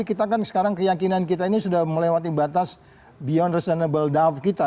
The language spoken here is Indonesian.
kita kan sekarang keyakinan kita ini sudah melewati batas beyond reasonable douf kita